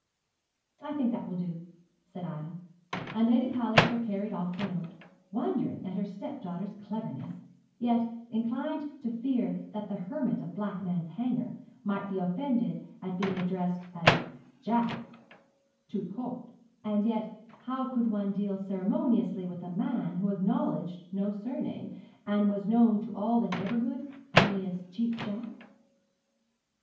'I think that will do,' said Ida; and Lady Palliser carried off the note, wondering at her stepdaughter's cleverness, yet inclined to fear that the hermit of Blackman's Hanger might be offended at being addressed as Jack, tout court; and yet how could one deal ceremoniously with a man who acknowledged no surname, and was known to all the neighbourhood only as 'Cheap Jack'?